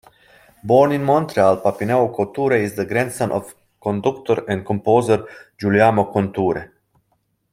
Born in Montreal, Papineau-Couture is the grandson of conductor and composer Guillaume Couture.